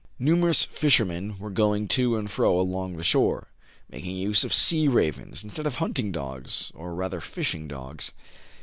185 Numerous fishermen were going to and fro along the shore, making use of sea ravens instead of hunting dogs, or rather fishing dogs.